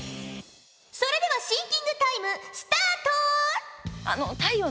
それではシンキングタイムスタート！